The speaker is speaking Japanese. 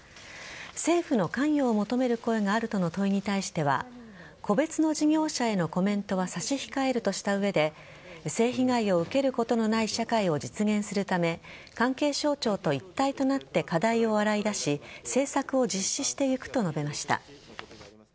政府の関与を求める声があるとの問いに対しては個別の事業者へのコメントは差し控えるとした上で性被害を受けることのない社会を実現するため関係省庁と一体となって課題を洗い出し政策を実施していくと述べました。